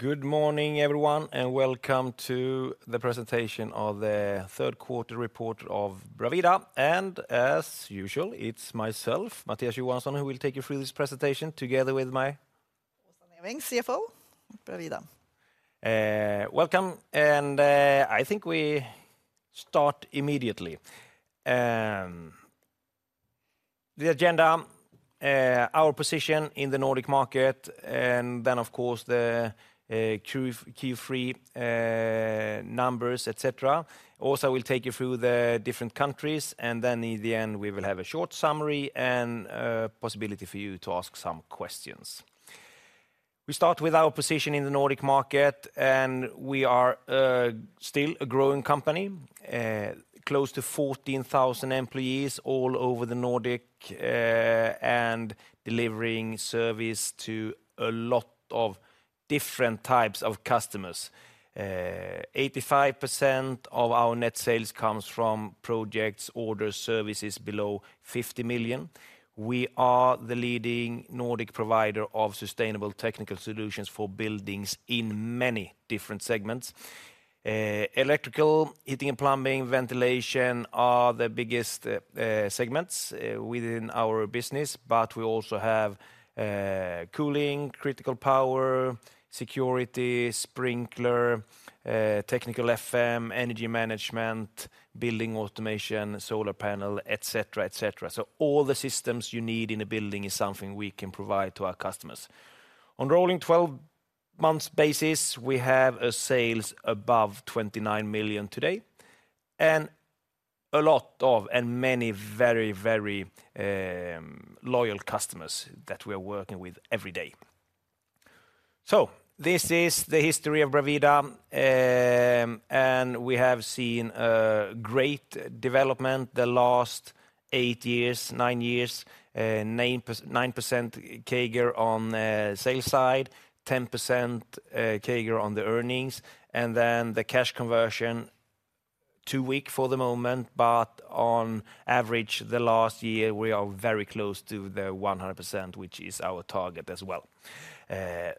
Good morning, everyone, and welcome to the Presentation of The Third Quarter Report of Bravida. As usual, it's myself, Mattias Johansson, who will take you through this presentation, together with my... Åsa Neving, CFO, Bravida. Welcome, and I think we start immediately. The agenda, our position in the Nordic market, and then, of course, the Q3 numbers, et cetera. Also, I will take you through the different countries, and then in the end, we will have a short summary and possibility for you to ask some questions. We start with our position in the Nordic market, and we are still a growing company, close to 14,000 employees all over the Nordic, and delivering service to a lot of different types of customers. 85% of our net sales comes from projects, orders, services below 50 million. We are the leading Nordic provider of sustainable technical solutions for buildings in many different segments. Electrical, heating and plumbing, ventilation are the biggest segments within our business, but we also have cooling, critical power, security, sprinkler, technical FM, energy management, building automation, solar panel, et cetera, et cetera. So all the systems you need in a building is something we can provide to our customers. On rolling 12-month basis, we have a sales above 29 million today, and a lot of, and many very, very loyal customers that we are working with every day. So this is the history of Bravida, and we have seen great development the last eight years, nine years, 9% CAGR on the sales side, 10% CAGR on the earnings, and then the cash conversion, too weak for the moment, but on average, the last year, we are very close to the 100%, which is our target as well.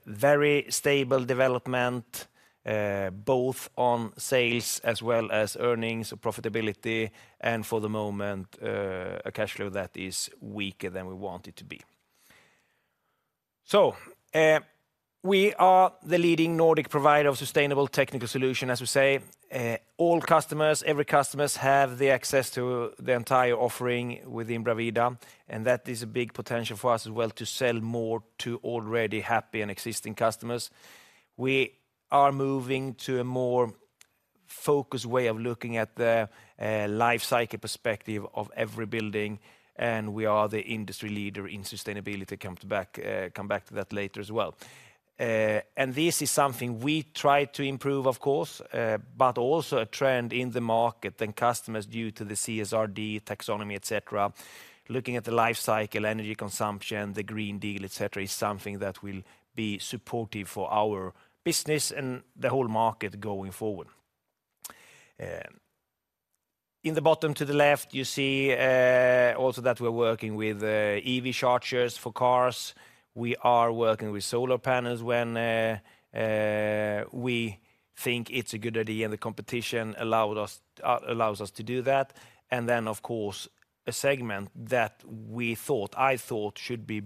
Very stable development, both on sales as well as earnings or profitability, and for the moment, a cash flow that is weaker than we want it to be. So, we are the leading Nordic provider of sustainable technical solution, as we say. All customers, every customers have the access to the entire offering within Bravida, and that is a big potential for us as well to sell more to already happy and existing customers. We are moving to a more focused way of looking at the, life cycle perspective of every building, and we are the industry leader in sustainability. Come back to that later as well. And this is something we try to improve, of course, but also a trend in the market and customers due to the CSRD, taxonomy, et cetera. Looking at the life cycle, energy consumption, the Green Deal, et cetera, is something that will be supportive for our business and the whole market going forward. In the bottom to the left, you see, also that we're working with, EV chargers for cars. We are working with solar panels when, we think it's a good idea, and the competition allowed us, allows us to do that. And then, of course, a segment that we thought, I thought should be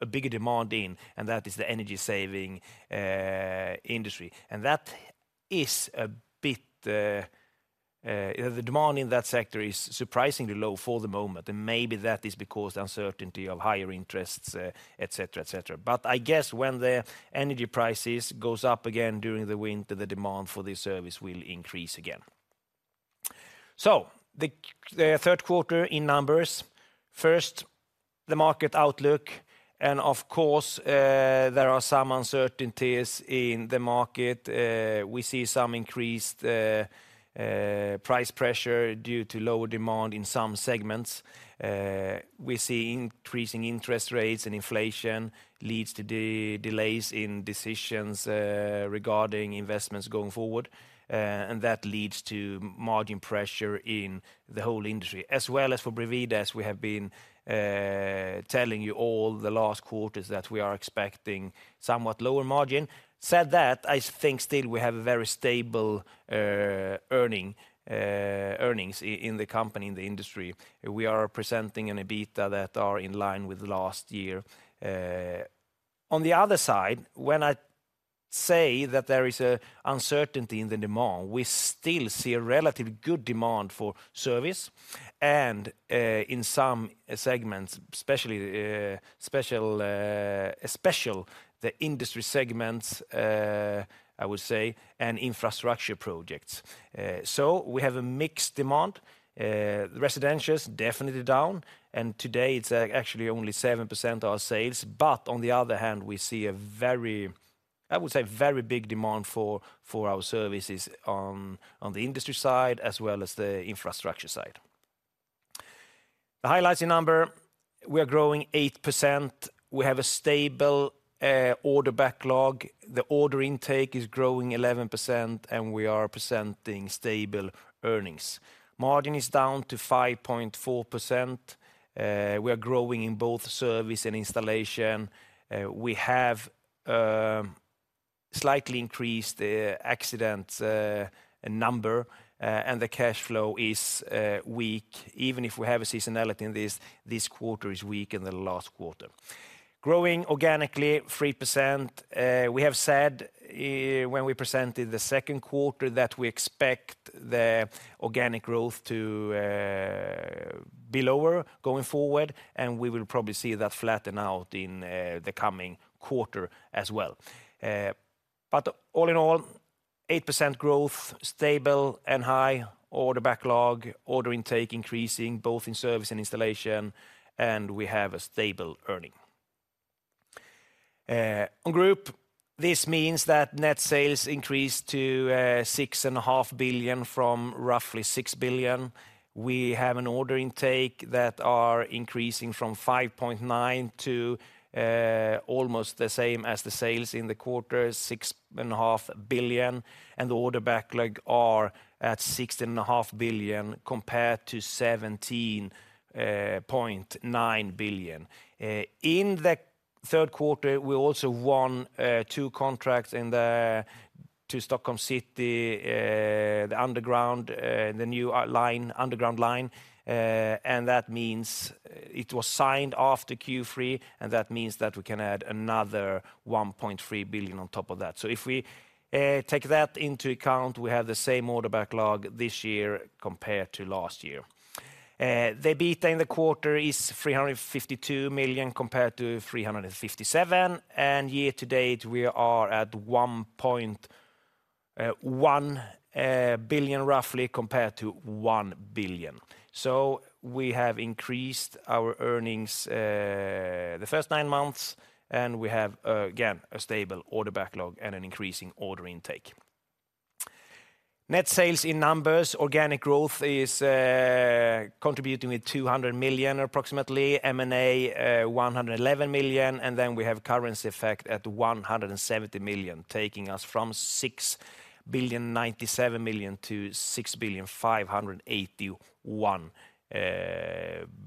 a bigger demand in, and that is the energy-saving industry. And that is a bit... the demand in that sector is surprisingly low for the moment, and maybe that is because the uncertainty of higher interests, et cetera, et cetera. But I guess when the energy prices goes up again during the winter, the demand for this service will increase again. So the third quarter in numbers. First, the market outlook, and of course, there are some uncertainties in the market. We see some increased price pressure due to lower demand in some segments. We see increasing interest rates and inflation leads to delays in decisions regarding investments going forward, and that leads to margin pressure in the whole industry, as well as for Bravida, as we have been telling you all the last quarters that we are expecting somewhat lower margin. That said, I think still we have a very stable earnings in the company, in the industry. We are presenting an EBITDA that are in line with last year. On the other side, when I say that there is an uncertainty in the demand, we still see a relatively good demand for service and in some segments, especially the industry segments, I would say, and infrastructure projects. So we have a mixed demand. Residentials, definitely down, and today, it's actually only 7% of our sales. But on the other hand, we see a very, I would say, very big demand for our services on the industry side, as well as the infrastructure side. The highlights in numbers, we are growing 8%. We have a stable order backlog. The order intake is growing 11%, and we are presenting stable earnings. Margin is down to 5.4%. We are growing in both service and installation. We have slightly increased accident number, and the cash flow is weak. Even if we have a seasonality in this, this quarter is weak in the last quarter. Growing organically 3%, we have said when we presented the second quarter that we expect the organic growth to be lower going forward, and we will probably see that flatten out in the coming quarter as well. But all in all, 8% growth, stable and high order backlog, order intake increasing both in service and installation, and we have a stable earning. On group, this means that net sales increased to 6.5 billion from roughly 6 billion. We have an order intake that are increasing from 5.9 billion to almost the same as the sales in the quarter, 6.5 billion, and the order backlog are at 16.5 billion, compared to 17.9 billion. In the third quarter, we also won two contracts in the to Stockholm City, the underground, the new line, underground line, and that means it was signed after Q3, and that means that we can add another 1.3 billion on top of that. So if we take that into account, we have the same order backlog this year compared to last year. The EBITDA in the quarter is 352 million, compared to 357 million, and year to date, we are at 1.1 billion, roughly, compared to 1 billion. So we have increased our earnings the first nine months, and we have again, a stable order backlog and an increasing order intake. Net sales in numbers, organic growth is contributing with 200 million, approximately, M&A one hundred and eleven million, and then we have currency effect at 170 million, taking us from 6.097 billion-6.581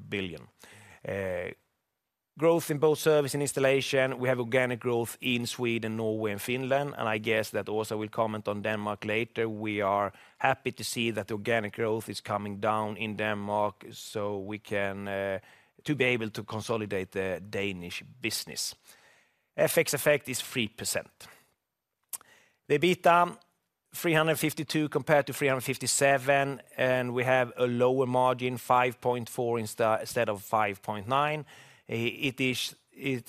billion. Growth in both service and installation, we have organic growth in Sweden, Norway, and Finland, and I guess that also we'll comment on Denmark later. We are happy to see that organic growth is coming down in Denmark, so we can to be able to consolidate the Danish business. FX effect is 3%. The EBITDA, 352 compared to 357, and we have a lower margin, 5.4% instead of 5.9%. It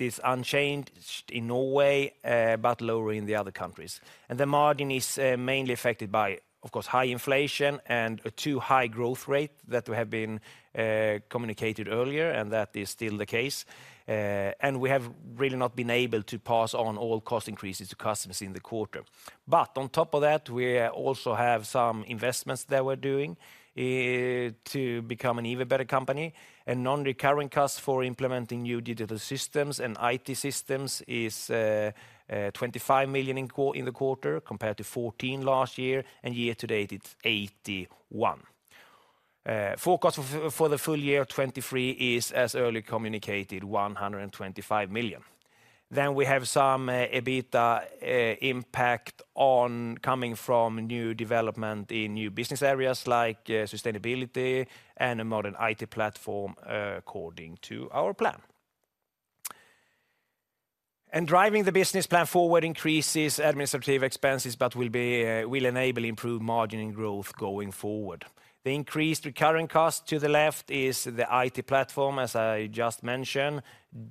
is unchanged in Norway, but lower in the other countries. The margin is mainly affected by, of course, high inflation and a too high growth rate that we have been communicated earlier, and that is still the case. We have really not been able to pass on all cost increases to customers in the quarter. On top of that, we also have some investments that we're doing to become an even better company. A non-recurring cost for implementing new digital systems and IT systems is 25 million in the quarter, compared to 14 million last year, and year to date, it's 81 million. Forecast for the full year 2023 is, as early communicated, 125 million. We have some EBITDA impact coming from new development in new business areas like sustainability and a modern IT platform, according to our plan. Driving the business plan forward increases administrative expenses, but will be, will enable improved margin and growth going forward. The increased recurring cost to the left is the IT platform, as I just mentioned,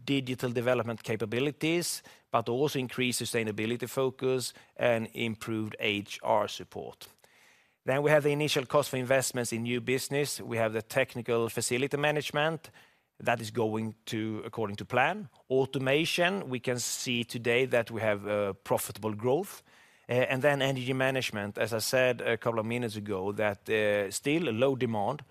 digital development capabilities, but also increased sustainability focus and improved HR support. We have the initial cost for investments in new business. We have the technical facility management that is going to according to plan. Automation, we can see today that we have profitable growth. Then energy management, as I said a couple of minutes ago, that still a low demand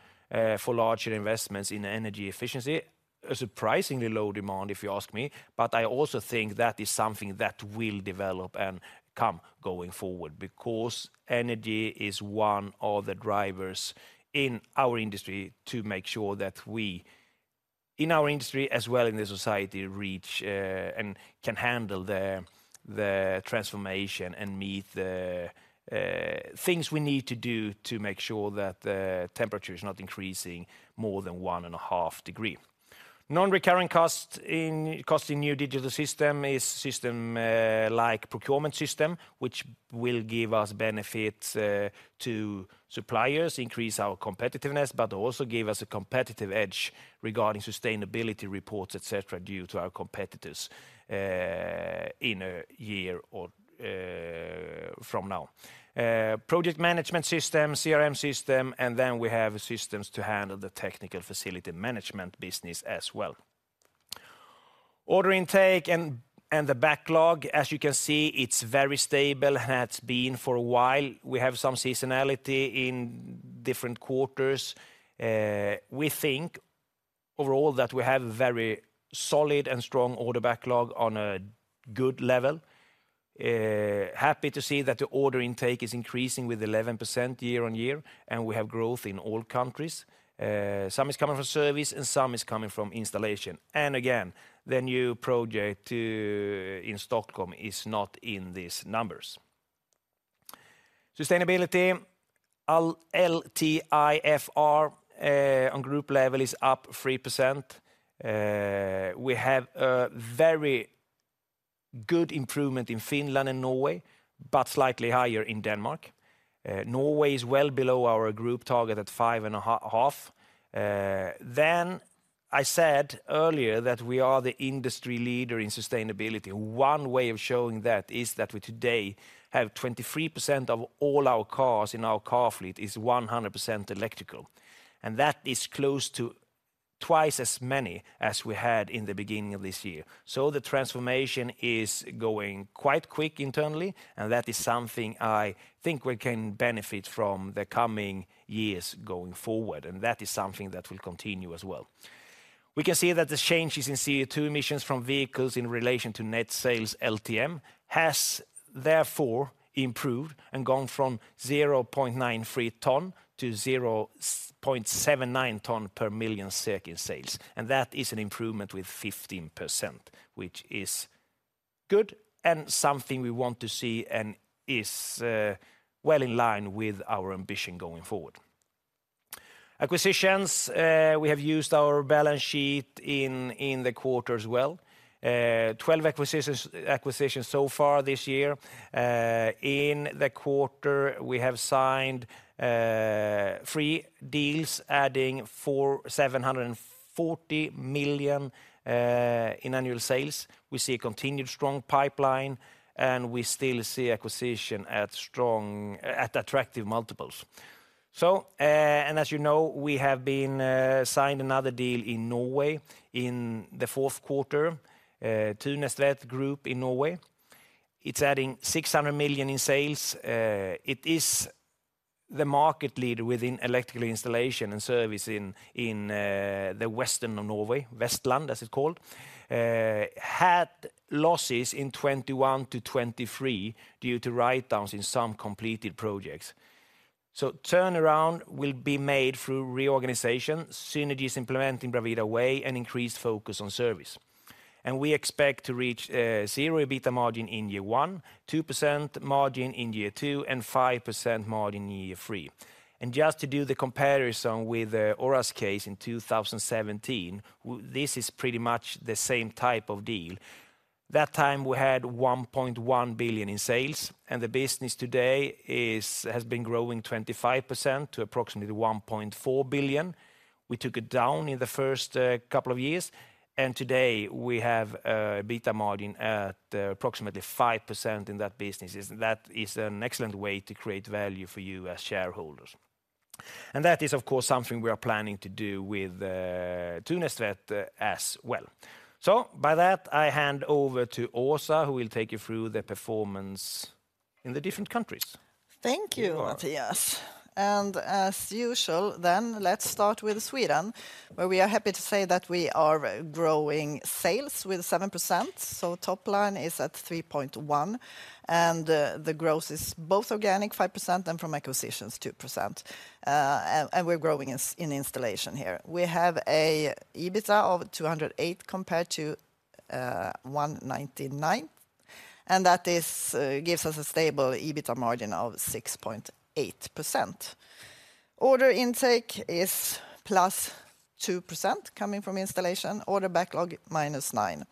for larger investments in energy efficiency. A surprisingly low demand, if you ask me, but I also think that is something that will develop and come going forward, because energy is one of the drivers in our industry to make sure that we, in our industry, as well in the society, reach and can handle the transformation and meet the things we need to do to make sure that the temperature is not increasing more than 1.5 degrees. Non-recurring cost in new digital system, like procurement system, which will give us benefit to suppliers, increase our competitiveness, but also give us a competitive edge regarding sustainability reports, et cetera, due to our competitors in a year or from now. Project management system, CRM system, and then we have systems to handle the technical facility management business as well. Order intake and the backlog, as you can see, it's very stable and has been for a while. We have some seasonality in different quarters. We think overall that we have a very solid and strong order backlog on a good level. Happy to see that the order intake is increasing with 11% year-on-year, and we have growth in all countries. Some is coming from service, and some is coming from installation. And again, the new project to in Stockholm is not in these numbers. Sustainability, all LTIFR on group level is up 3%. We have a very good improvement in Finland and Norway, but slightly higher in Denmark. Norway is well below our group target at 5.5. Then I said earlier that we are the industry leader in sustainability. One way of showing that is that we today have 23% of all our cars in our car fleet is 100% electrical, and that is close to twice as many as we had in the beginning of this year. So the transformation is going quite quick internally, and that is something I think we can benefit from the coming years going forward, and that is something that will continue as well. We can see that the changes in CO2 emissions from vehicles in relation to net sales LTM has therefore improved and gone from 0.93 ton-0.79 ton per million SEK in sales. And that is an improvement with 15%, which is good and something we want to see and is, well in line with our ambition going forward. Acquisitions, we have used our balance sheet in the quarter as well. 12 acquisitions so far this year. In the quarter, we have signed three deals, adding 470 million in annual sales. We see a continued strong pipeline, and we still see acquisitions at attractive multiples. So, and as you know, we have signed another deal in Norway in the fourth quarter, Thunestvedt Group in Norway. It's adding 600 million in sales. It is the market leader within electrical installation and service in the western of Norway, Vestland, as it's called. Had losses in 2021-2023 due to write-downs in some completed projects. So turnaround will be made through reorganization, synergies implementing Bravida Way, and increased focus on service. We expect to reach 0% EBITDA margin in year one, 2% margin in year two, and 5% margin in year three. Just to do the comparison with Oras case in 2017, this is pretty much the same type of deal. That time, we had 1.1 billion in sales, and the business today has been growing 25% to approximately 1.4 billion. We took it down in the first couple of years, and today we have EBITDA margin at approximately 5% in that business. That is an excellent way to create value for you as shareholders. That is, of course, something we are planning to do with Thunestvedt as well. By that, I hand over to Åsa, who will take you through the performance in the different countries. Thank you, Mattias. You are welcome. As usual, then, let's start with Sweden, where we are happy to say that we are growing sales with 7%. So top line is at 3.1, and the growth is both organic, 5%, and from acquisitions, 2%. And we're growing in installation here. We have a EBITDA of 208 compared to 199, and that gives us a stable EBITDA margin of 6.8%. Order intake is +2% coming from installation, order backlog, -9.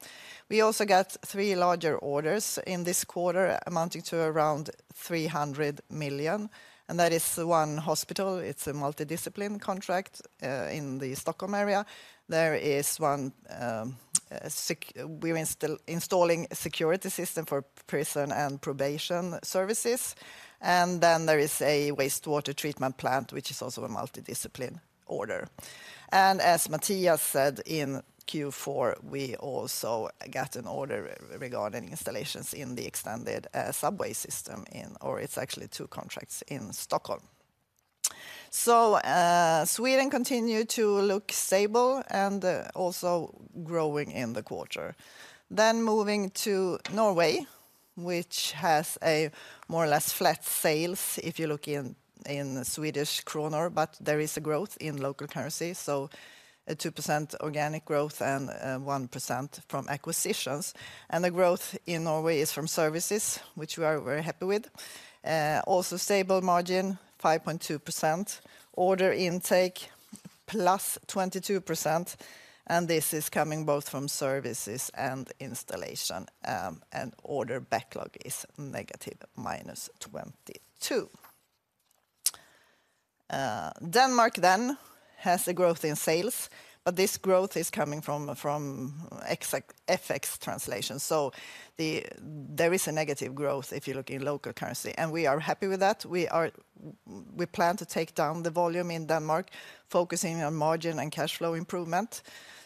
We also got three larger orders in this quarter, amounting to around 300 million, and that is one hospital. It's a multidisciplined contract in the Stockholm area. There is one, we're installing a security system for prison and probation services. Then there is a wastewater treatment plant, which is also a multidisciplinary order. And as Mattias said, in Q4, we also got an order regarding installations in the extended subway system in. Or it's actually two contracts in Stockholm. So, Sweden continue to look stable and also growing in the quarter. Then moving to Norway, which has a more or less flat sales if you look in Swedish kronor, but there is a growth in local currency, so a 2% organic growth and 1% from acquisitions. And the growth in Norway is from services, which we are very happy with. Also stable margin, 5.2%. Order intake, +22%, and this is coming both from services and installation, and order backlog is negative, -22%. Denmark then has a growth in sales, but this growth is coming from FX translation. So there is a negative growth if you look in local currency, and we are happy with that. We plan to take down the volume in Denmark, focusing on margin and cash flow improvement.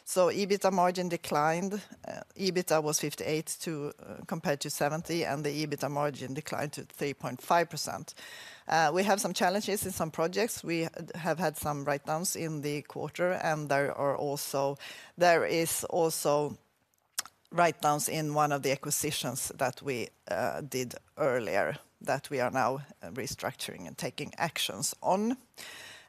So EBITDA margin declined. EBITDA was 58 compared to 70, and the EBITDA margin declined to 3.5%. We have some challenges in some projects. We have had some write-downs in the quarter, and there is also write-downs in one of the acquisitions that we did earlier, that we are now restructuring and taking actions on.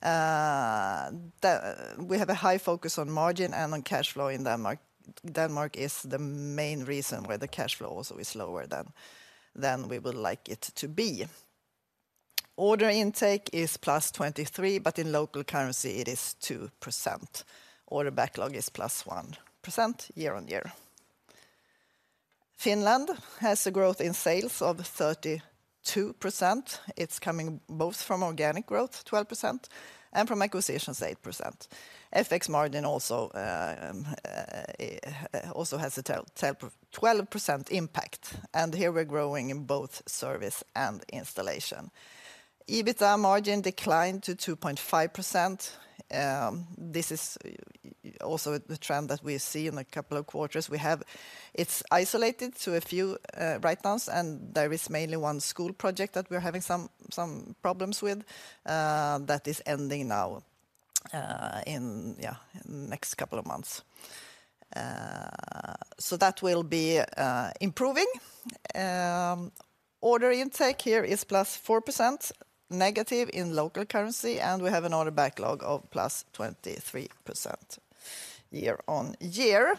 We have a high focus on margin and on cash flow in Denmark. Denmark is the main reason why the cash flow also is lower than we would like it to be. Order intake is +23, but in local currency it is 2%. Order backlog is +1% year-on-year. Finland has a growth in sales of 32%. It's coming both from organic growth, 12%, and from acquisitions, 8%. FX margin also has a 12% impact, and here we're growing in both service and installation. EBITDA margin declined to 2.5%. This is also the trend that we see in a couple of quarters. It's isolated to a few right now, and there is mainly one school project that we're having some problems with that is ending now in the next couple of months. So that will be improving. Order intake here is +4%, negative in local currency, and we have an order backlog of +23% year-on-year.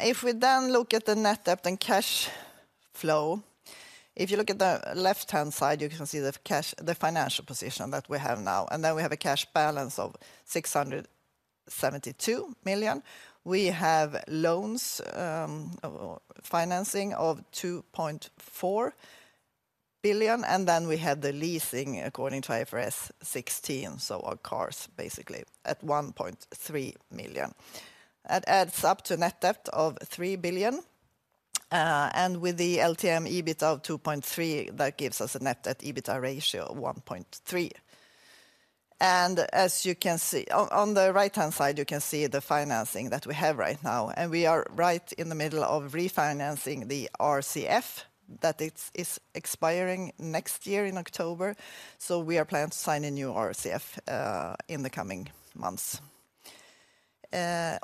If we then look at the net debt and cash flow, if you look at the left-hand side, you can see the cash, the financial position that we have now, and then we have a cash balance of 672 million. We have loans, financing of 2.4 billion, and then we had the leasing, according to IFRS 16, so our cars basically, at 1.3 million. That adds up to a net debt of 3 billion, and with the LTM EBITDA of 2.3 billion, that gives us a net debt EBITDA ratio of 1.3. And as you can see... On the right-hand side, you can see the financing that we have right now, and we are right in the middle of refinancing the RCF that is expiring next year in October, so we are planning to sign a new RCF in the coming months.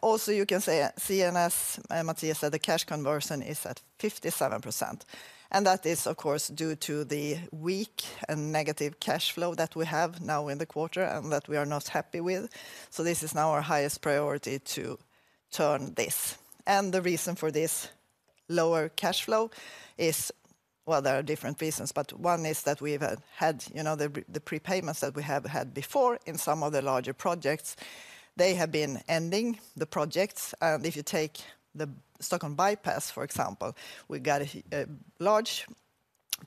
Also, you can see, and as Mattias said, the cash conversion is at 57%, and that is, of course, due to the weak and negative cash flow that we have now in the quarter, and that we are not happy with. So this is now our highest priority to turn this. And the reason for this lower cash flow is, well, there are different reasons, but one is that we've had, you know, the prepayments that we have had before in some of the larger projects, they have been ending the projects. And if you take the Stockholm Bypass, for example, we got a large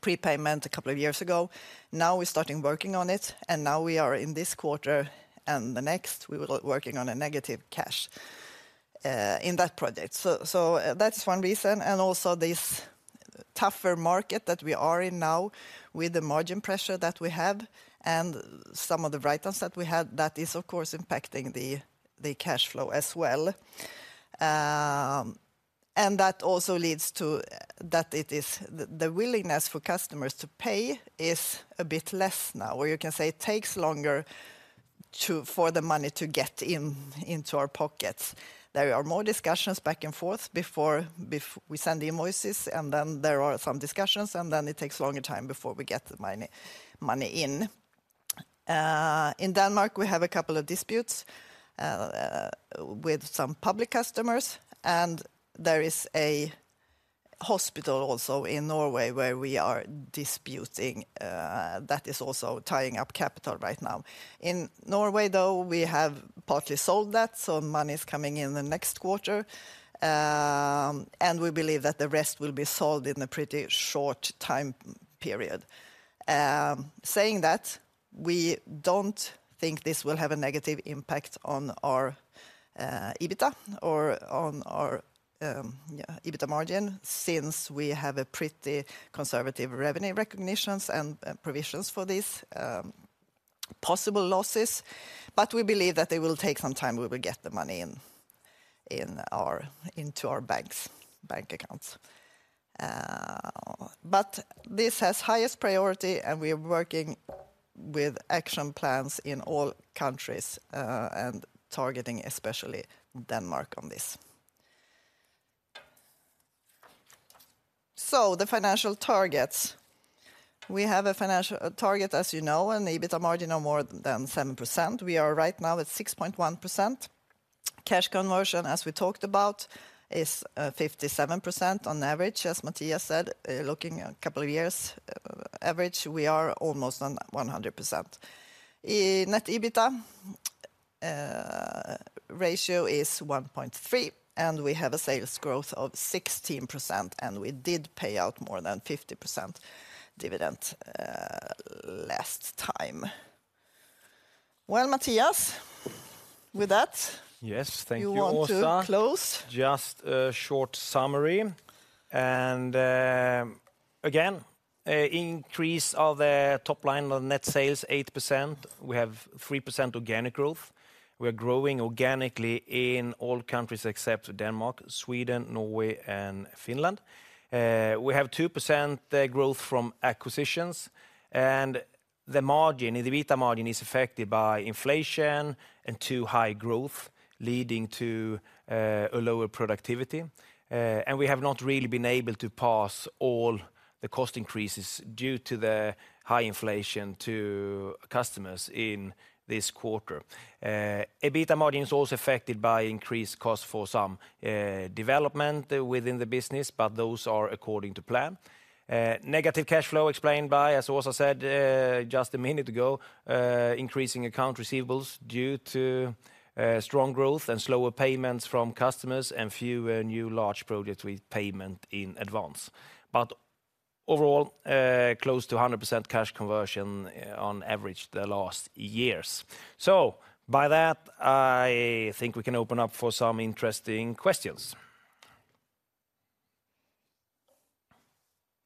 prepayment a couple of years ago. Now, we're starting working on it, and now we are in this quarter, and the next, we will working on a negative cash in that project. So that's one reason, and also this tougher market that we are in now with the margin pressure that we have and some of the write-downs that we had, that is, of course, impacting the cash flow as well. And that also leads to that it is the willingness for customers to pay is a bit less now, or you can say it takes longer to for the money to get in, into our pockets. There are more discussions back and forth before we send the invoices, and then there are some discussions, and then it takes a longer time before we get the money, money in. In Denmark, we have a couple of disputes with some public customers, and there is a hospital also in Norway, where we are disputing, that is also tying up capital right now. In Norway, though, we have partly sold that, so money is coming in the next quarter, and we believe that the rest will be sold in a pretty short time period. Saying that, we don't think this will have a negative impact on our EBITDA or on our EBITDA margin, since we have a pretty conservative revenue recognitions and provisions for these possible losses. But we believe that it will take some time, we will get the money in, in our, into our banks, bank accounts. But this has highest priority, and we are working with action plans in all countries, and targeting especially Denmark on this. So the financial targets. We have a financial, a target, as you know, an EBITDA margin of more than 7%. We are right now at 6.1%. Cash conversion, as we talked about, is 57% on average. As Mattias said, looking at a couple of years, average, we are almost on 100%. In net EBITDA, ratio is 1.3, and we have a sales growth of 16%, and we did pay out more than 50% dividend, last time. Well, Mattias, with that- Yes, thank you, Åsa. You want to close? Just a short summary. Again, a increase of the top line on net sales, 8%. We have 3% organic growth. We are growing organically in all countries except Denmark, Sweden, Norway, and Finland. We have 2% growth from acquisitions, and the margin, the EBITDA margin, is affected by inflation and too high growth, leading to a lower productivity. We have not really been able to pass all the cost increases due to the high inflation to customers in this quarter. EBITDA margin is also affected by increased costs for some development within the business, but those are according to plan. Negative cash flow explained by, as Åsa said, just a minute ago, increasing account receivables due to strong growth and slower payments from customers and few new large projects with payment in advance. Overall, close to 100% cash conversion on average the last years. So by that, I think we can open up for some interesting questions.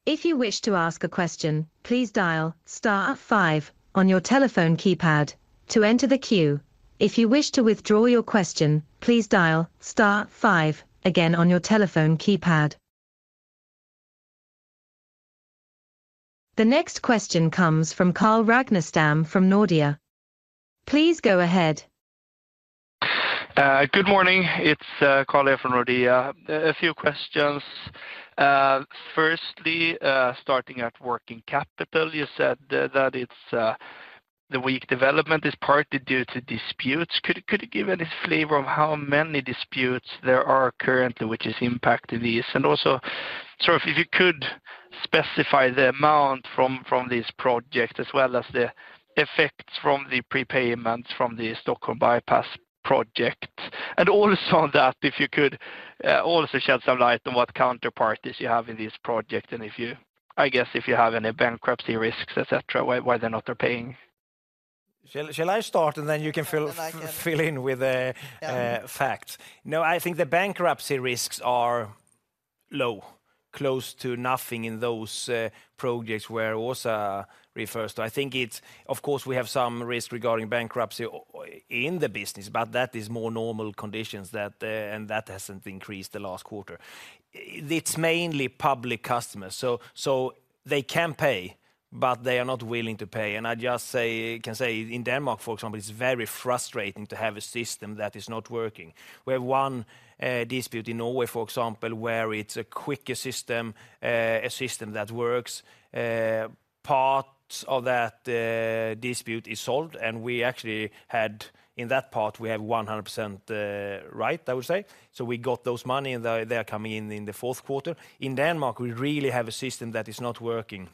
If you wish to ask a question, please dial star five on your telephone keypad to enter the queue. If you wish to withdraw your question, please dial star five again on your telephone keypad. The next question comes from Carl Ragnerstam from Nordea. Please go ahead. Good morning. It's Carl from Nordea. A few questions. Firstly, starting at working capital, you said that it's the weak development is partly due to disputes. Could you give any flavor of how many disputes there are currently, which is impacting these? And also, sort of if you could specify the amount from this project, as well as the effects from the prepayments from the Stockholm Bypass project. And also on that, if you could also shed some light on what counterparties you have in this project, and if you—I guess, if you have any bankruptcy risks, et cetera, why they're not paying? Shall I start, and then you can fill- Then I can-... fill in with the facts. No, I think the bankruptcy risks are low, close to nothing in those projects where Åsa refers to. I think it's... Of course, we have some risk regarding bankruptcy in the business, but that is more normal conditions that, and that hasn't increased the last quarter. It's mainly public customers, so, so they can pay, but they are not willing to pay. And I just say, can say, in Denmark, for example, it's very frustrating to have a system that is not working. We have one dispute in Norway, for example, where it's a quicker system, a system that works. Parts of that dispute is solved, and we actually had, in that part, we have 100% right, I would say. So we got those money, and they, they are coming in in the fourth quarter. In Denmark, we really have a system that is not working.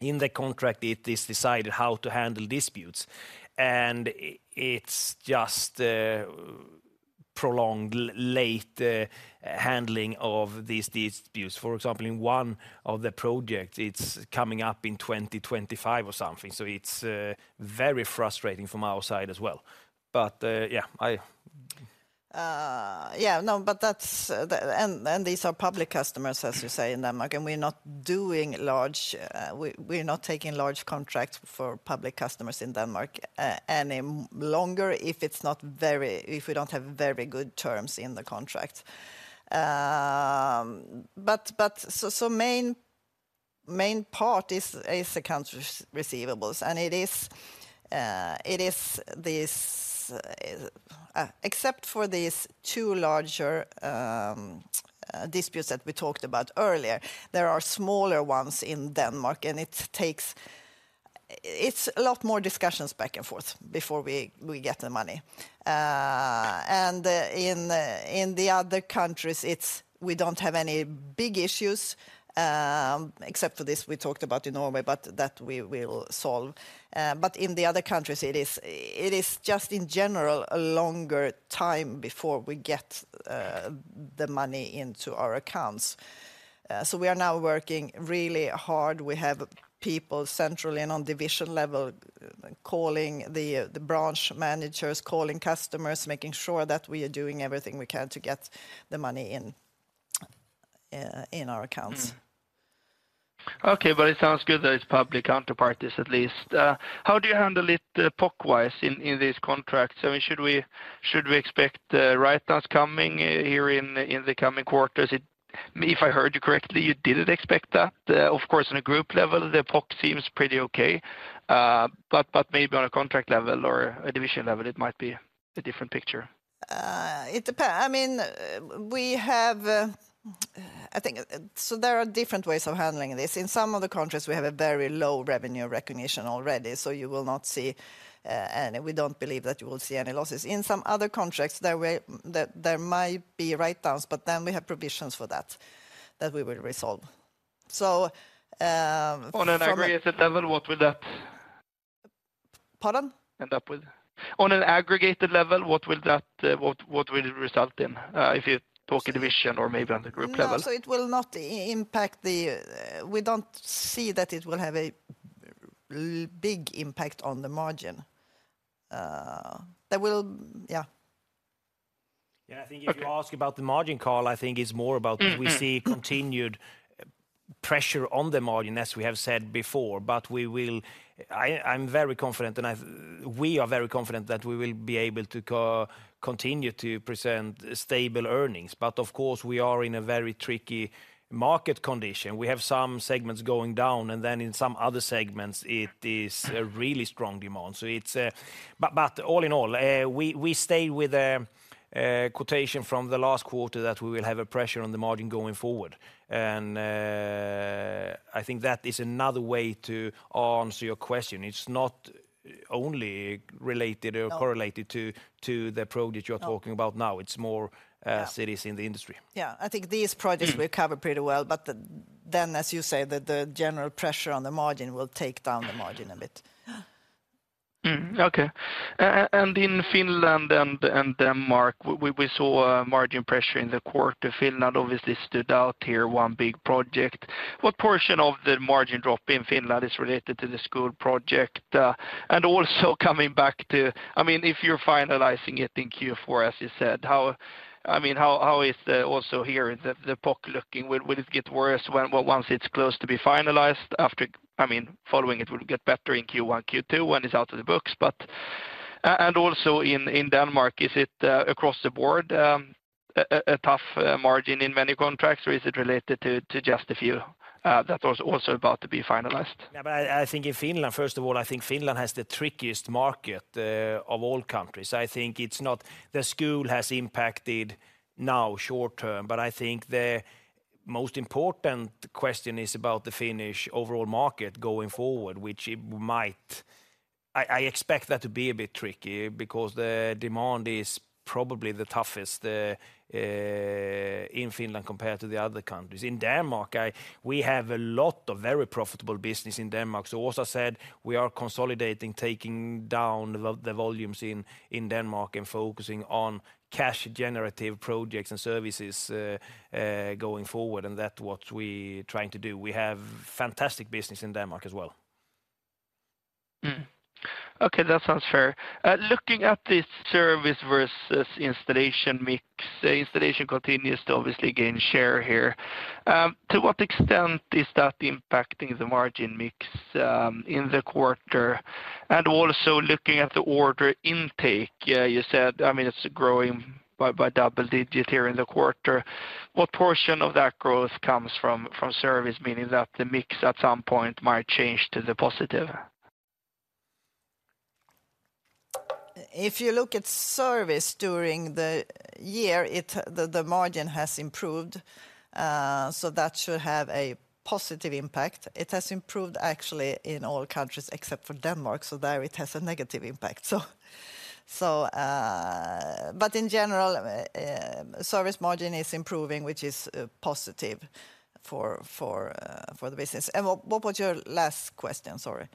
In the contract, it is decided how to handle disputes, and it's just a prolonged late handling of these disputes. For example, in one of the projects, it's coming up in 2025 or something, so it's very frustrating from our side as well. But, yeah, I- No, but that's these are public customers, as you say, in Denmark, and we're not doing large. We're not taking large contracts for public customers in Denmark any longer if we don't have very good terms in the contract. But the main part is accounts receivables, and it is this, except for these two larger disputes that we talked about earlier, there are smaller ones in Denmark, and it takes a lot more discussions back and forth before we get the money. And in the other countries, we don't have any big issues, except for this we talked about in Norway, but that we will solve. But in the other countries, it is, it is just in general a longer time before we get the money into our accounts. So we are now working really hard. We have people centrally and on division level, calling the branch managers, calling customers, making sure that we are doing everything we can to get the money in, in our accounts. Mm. Okay, but it sounds good that it's public counterparties, at least. How do you handle it, the POC-wise, in, in this contract? So should we, should we expect, write-downs coming, here in the, in the coming quarters? It... If I heard you correctly, you didn't expect that. Of course, on a group level, the POC seems pretty okay, but, but maybe on a contract level or a division level, it might be a different picture. I mean, we have, I think. So there are different ways of handling this. In some of the countries, we have a very low revenue recognition already, so you will not see any—we don't believe that you will see any losses. In some other contracts, there might be write-downs, but then we have provisions for that we will resolve. So, from a- On an aggregated level, what will that- Pardon? End up with? On an aggregated level, what will that, what, what will it result in, if you talk a division or maybe on the group level? No, so it will not impact the... We don't see that it will have a big impact on the margin. That will... Yeah. Yeah, I think if you ask about the margin, Carl, I think it's more about- Mm-hmm... we see continued pressure on the margin, as we have said before, but we will... I, I'm very confident, and I've, we are very confident that we will be able to continue to present stable earnings. But of course, we are in a very tricky market condition. We have some segments going down, and then in some other segments, it is a really strong demand. So it's... But all in all, we stay with a quotation from the last quarter that we will have a pressure on the margin going forward. And I think that is another way to answer your question. It's not only related or correlated- No... to the project you are talking about now. No. It's more, Yeah... cities in the industry. Yeah. I think these projects will cover pretty well, but then, as you say, the general pressure on the margin will take down the margin a bit. Yeah.... Mm-hmm. Okay. And in Finland and Denmark, we saw a margin pressure in the quarter. Finland obviously stood out here, one big project. What portion of the margin drop in Finland is related to the school project? And also coming back to, I mean, if you're finalizing it in Q4, as you said, how—I mean, how is the, also here, the POC looking? Will it get worse when, well, once it's close to be finalized after... I mean, following it, will get better in Q1, Q2, when it's out of the books, but... And also in Denmark, is it across the board, a tough margin in many contracts, or is it related to just a few that was also about to be finalized? Yeah, but I think in Finland, first of all, I think Finland has the trickiest market of all countries. I think it's not the school has impacted now short term, but I think the most important question is about the Finnish overall market going forward, which it might. I expect that to be a bit tricky because the demand is probably the toughest in Finland compared to the other countries. In Denmark, we have a lot of very profitable business in Denmark. So also I said, we are consolidating, taking down the volumes in Denmark and focusing on cash-generative projects and services going forward, and that's what we trying to do. We have fantastic business in Denmark as well. Okay, that sounds fair. Looking at this service versus installation mix, the installation continues to obviously gain share here. To what extent is that impacting the margin mix in the quarter? And also looking at the order intake, yeah, you said, I mean, it's growing by double digit here in the quarter. What portion of that growth comes from service, meaning that the mix at some point might change to the positive? If you look at service during the year, the margin has improved, so that should have a positive impact. It has improved actually in all countries except for Denmark, so there it has a negative impact. So but in general, service margin is improving, which is positive for the business. And what was your last question? Sorry.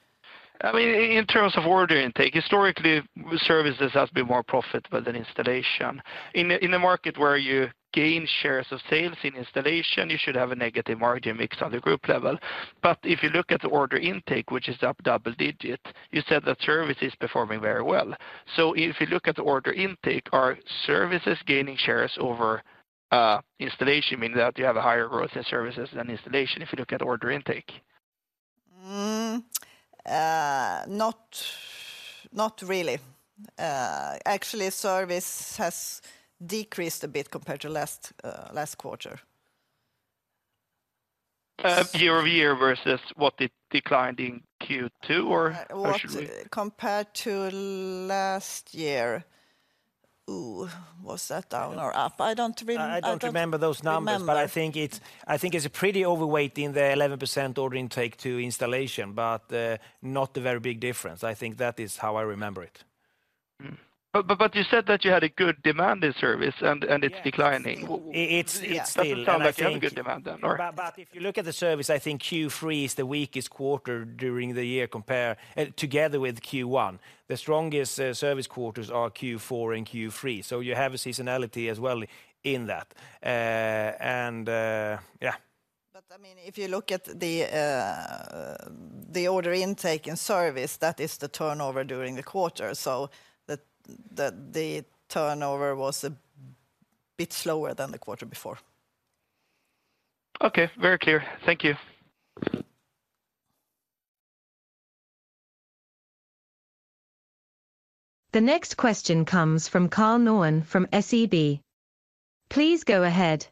I mean, in terms of order intake, historically, services has been more profitable than installation. In a market where you gain shares of sales in installation, you should have a negative margin mix on the group level. But if you look at the order intake, which is up double-digit, you said that service is performing very well. So if you look at the order intake, are services gaining shares over installation, meaning that you have a higher growth in services than installation, if you look at order intake? Not really. Actually, service has decreased a bit compared to last quarter. Year-over-year versus what it declined in Q2, or actually? Compared to last year, ooh, was that down or up? I don't really- I don't remember those numbers- Remember. But I think it's, I think it's a pretty overweight in the 11% order intake to installation, but not a very big difference. I think that is how I remember it. But you said that you had a good demand in service, and it's declining. Yeah. It's still- That sounds like you have a good demand then, all right. But if you look at the service, I think Q3 is the weakest quarter during the year compare... together with Q1. The strongest service quarters are Q4 and Q3, so you have a seasonality as well in that. And, yeah. But, I mean, if you look at the order intake and service, that is the turnover during the quarter. So the turnover was a bit slower than the quarter before. Okay. Very clear. Thank you. The next question comes from Karl Norén from SEB. Please go ahead.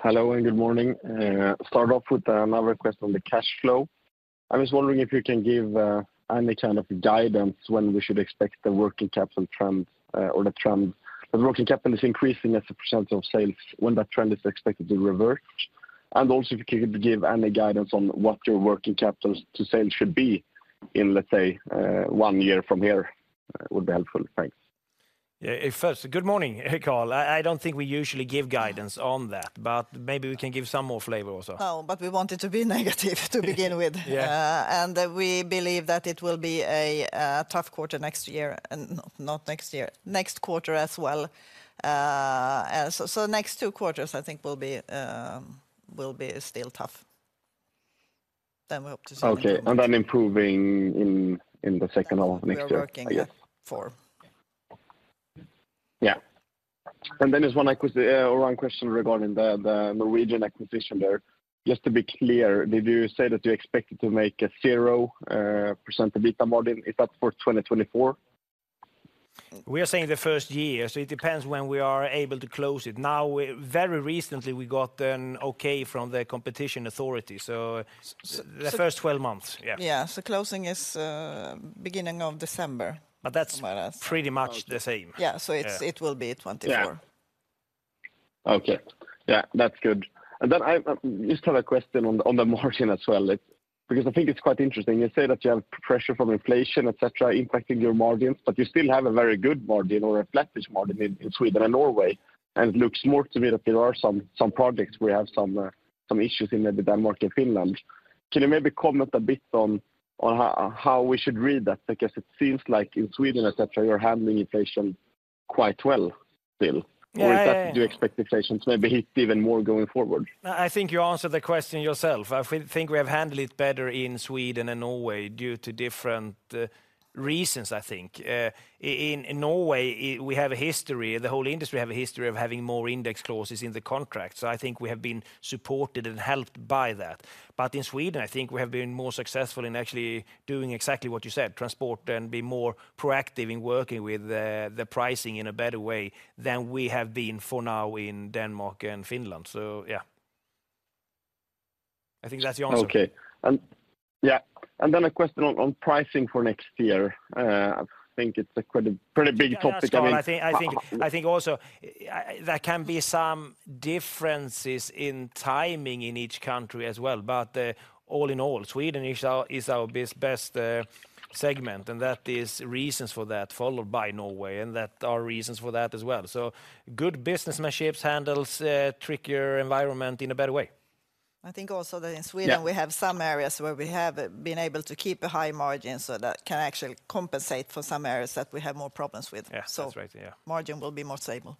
Hello, and good morning. Start off with another request on the cash flow. I was wondering if you can give any kind of guidance when we should expect the working capital trend, or the trend. The working capital is increasing as a percent of sales, when that trend is expected to revert. And also, if you could give any guidance on what your working capital to sales should be in, let's say, one year from here, would be helpful. Thanks. Yeah, first, good morning, Karl. I don't think we usually give guidance on that, but maybe we can give some more flavor also. No, but we want it to be negative to begin with. Yeah. And we believe that it will be a tough quarter next year, and not next year, next quarter as well. So next two quarters, I think will be still tough. Then we hope to see- Okay, and then improving in the second half of next year, I guess. We are working for. Yeah. And then there's one acquisition, or one question regarding the Norwegian acquisition there. Just to be clear, did you say that you expected to make a 0% EBITDA margin? Is that for 2024? We are saying the first year, so it depends when we are able to close it. Now, very recently, we got an okay from the competition authority, so- S-s- The first 12 months, yeah. Yeah. Closing is beginning of December. But that's- More or less.... pretty much the same. Yeah, so it's- Yeah... it will be at 24. Yeah. Okay. Yeah, that's good. And then I just have a question on the margin as well. Because I think it's quite interesting, you say that you have pressure from inflation, et cetera, impacting your margins, but you still have a very good margin or a flattish margin in Sweden and Norway. And it looks more to me that there are some projects we have some issues in Denmark and Finland. Can you maybe comment a bit on how we should read that? Because it seems like in Sweden, et cetera, you're handling inflation quite well still? Yeah, yeah. Or is that do you expect the inflation to maybe hit even more going forward? I think you answered the question yourself. I think we have handled it better in Sweden and Norway due to different reasons, I think. In Norway, we have a history, the whole industry have a history of having more index clauses in the contract, so I think we have been supported and helped by that. But in Sweden, I think we have been more successful in actually doing exactly what you said, transport and be more proactive in working with the, the pricing in a better way than we have been for now in Denmark and Finland. So, yeah. I think that's the answer. Okay. Yeah, and then a question on pricing for next year. I think it's a pretty big topic. I mean- I think also, there can be some differences in timing in each country as well, but all in all, Sweden is our best segment, and that is reasons for that, followed by Norway, and that are reasons for that as well. So good businessmanship handles trickier environment in a better way. I think also that in Sweden- Yeah... we have some areas where we have been able to keep a high margin, so that can actually compensate for some areas that we have more problems with. Yeah, that's right, yeah. Margin will be more stable.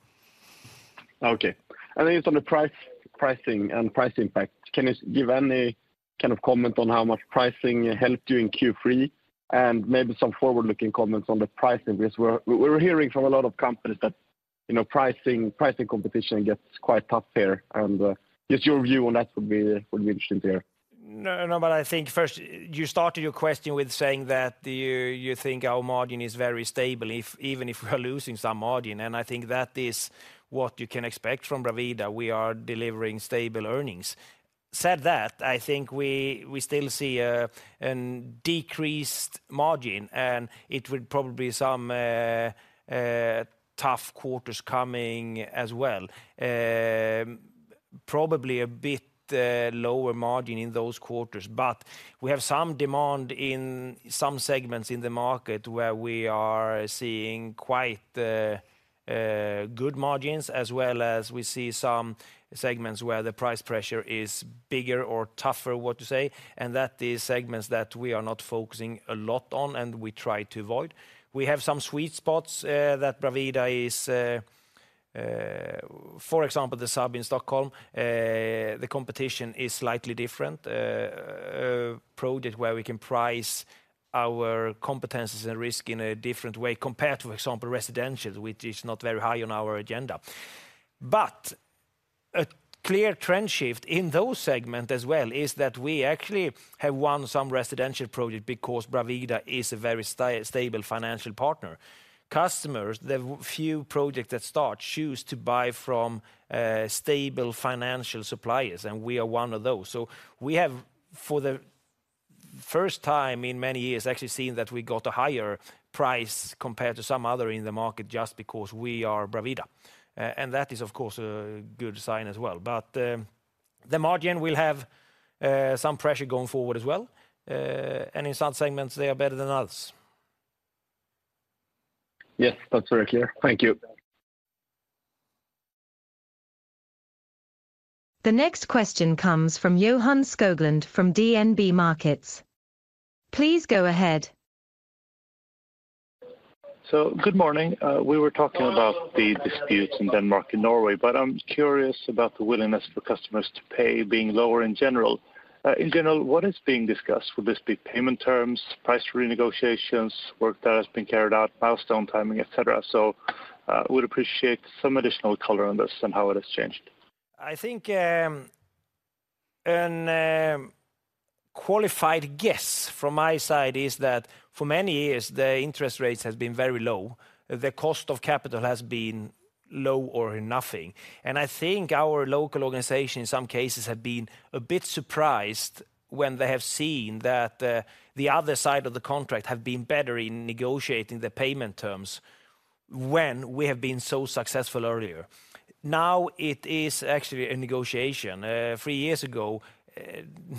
Okay. I think it's on the pricing and price impact. Can you give any kind of comment on how much pricing helped you in Q3, and maybe some forward-looking comments on the pricing? Because we're hearing from a lot of companies that, you know, pricing competition gets quite tough here, and just your view on that would be interesting to hear. No, no, but I think first, you started your question with saying that you think our margin is very stable, if even if we are losing some margin, and I think that is what you can expect from Bravida. We are delivering stable earnings. That said, I think we still see a decreased margin, and it would probably some tough quarters coming as well. Probably a bit lower margin in those quarters, but we have some demand in some segments in the market where we are seeing quite good margins, as well as we see some segments where the price pressure is bigger or tougher, what to say, and that is segments that we are not focusing a lot on, and we try to avoid. We have some sweet spots that Bravida is... For example, the subway in Stockholm, the competition is slightly different, project where we can price our competencies and risk in a different way compared to, for example, residential, which is not very high on our agenda. But a clear trend shift in those segment as well is that we actually have won some residential project because Bravida is a very stable financial partner. Customers, the few projects that start, choose to buy from, stable financial suppliers, and we are one of those. So we have, for the first time in many years, actually seen that we got a higher price compared to some other in the market, just because we are Bravida. And that is, of course, a good sign as well. But, the margin will have, some pressure going forward as well. In some segments, they are better than others. Yes, that's very clear. Thank you. The next question comes from Johan Skoglund from DNB Markets. Please go ahead. So good morning. We were talking about the disputes in Denmark and Norway, but I'm curious about the willingness for customers to pay being lower in general. In general, what is being discussed? Will this be payment terms, price renegotiations, work that has been carried out, milestone timing, et cetera? So, would appreciate some additional color on this and how it has changed. I think, a qualified guess from my side is that for many years, the interest rates has been very low. The cost of capital has been low or nothing. And I think our local organization, in some cases, have been a bit surprised when they have seen that, the other side of the contract have been better in negotiating the payment terms when we have been so successful earlier. Now, it is actually a negotiation. Three years ago,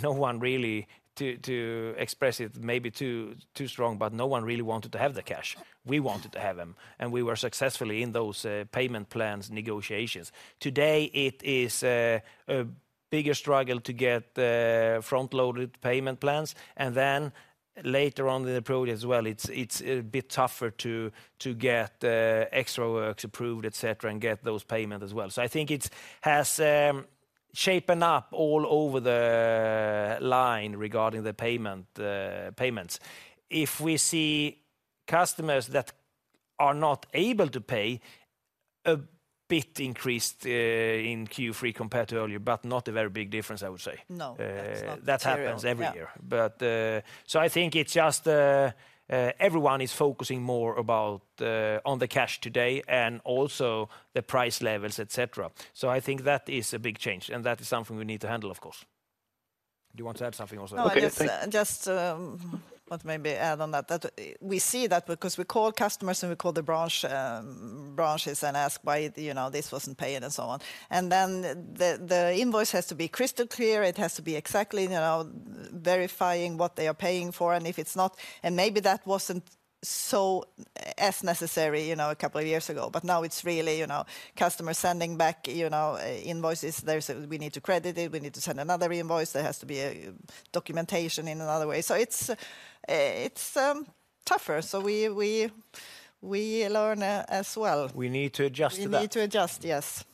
no one really to express it may be too strong, but no one really wanted to have the cash. We wanted to have them, and we were successfully in those, payment plans negotiations. Today, it is a bigger struggle to get front-loaded payment plans, and then later on in the project as well, it's a bit tougher to get extra works approved, et cetera, and get those payments as well. So I think it's has shaped up all over the line regarding the payments. If we see customers that are not able to pay, a bit increased in Q3 compared to earlier, but not a very big difference, I would say. No, that is not material. That happens every year. Yeah. But, so I think it's just, everyone is focusing more about, on the cash today and also the price levels, et cetera. So I think that is a big change, and that is something we need to handle, of course. Do you want to add something also? No, I just- Okay, thank-... just, what maybe add on that, that we see that because we call customers, and we call the branch, branches and ask why, you know, this wasn't paid and so on. And then the invoice has to be crystal clear. It has to be exactly, you know, verifying what they are paying for, and if it's not... And maybe that wasn't so as necessary, you know, a couple of years ago, but now it's really, you know, customers sending back, you know, invoices. There's a, "We need to credit it. We need to send another invoice." There has to be a documentation in another way. So it's tougher. So we learn as well. We need to adjust to that. We need to adjust, yes....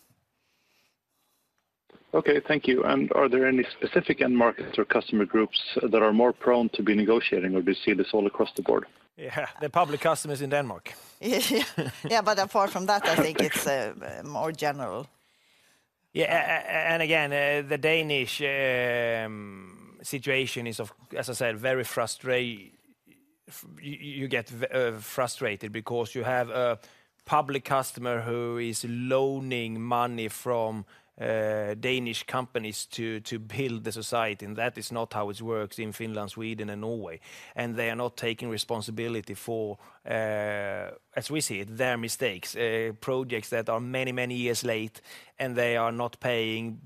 Okay, thank you. Are there any specific end markets or customer groups that are more prone to be negotiating, or do you see this all across the board? Yeah, the public customers in Denmark. Yeah, yeah, but apart from that, I think it's more general. Yeah, and again, the Danish situation is, as I said, very frustrating. You get frustrated because you have a public customer who is loaning money from Danish companies to build the society, and that is not how it works in Finland, Sweden, and Norway. And they are not taking responsibility for, as we see it, their mistakes. Projects that are many, many years late, and they are not paying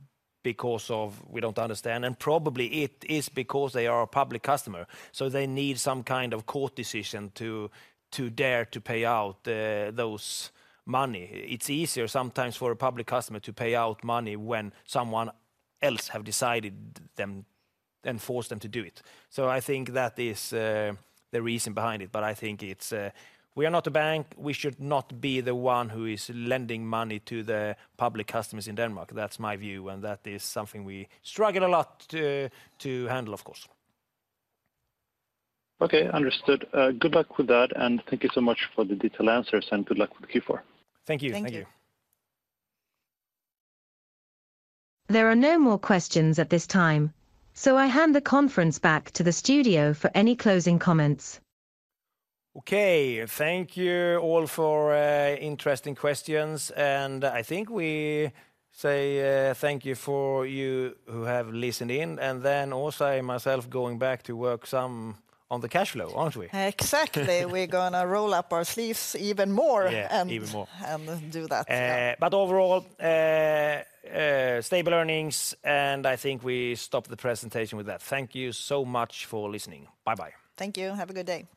because we don't understand, and probably it is because they are a public customer, so they need some kind of court decision to dare to pay out those money. It's easier sometimes for a public customer to pay out money when someone else have decided them and forced them to do it. So I think that is the reason behind it. But I think it's... We are not a bank. We should not be the one who is lending money to the public customers in Denmark. That's my view, and that is something we struggle a lot to handle, of course. Okay, understood. Good luck with that, and thank you so much for the detailed answers, and good luck with Q4. Thank you. Thank you. Thank you. There are no more questions at this time, so I hand the conference back to the studio for any closing comments. Okay, thank you all for interesting questions, and I think we say thank you for you who have listened in, and then also myself going back to work some on the cash flow, aren't we? Exactly. We're gonna roll up our sleeves even more- Yeah, even more.... and do that. But overall, stable earnings, and I think we stop the presentation with that. Thank you so much for listening. Bye-bye. Thank you, and have a good day.